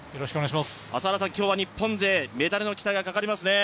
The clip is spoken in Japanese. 今日は日本勢メダルの期待がかかりますね。